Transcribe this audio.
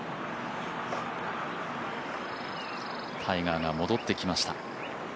タイガーが戻ってきました。